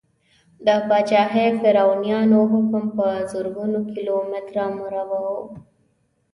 د پاچاهي فرعونیانو حکم په زرګونو کیلو متره مربع و.